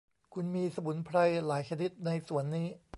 คุณมีสมุนไพรหลายชนิดในสวนนี้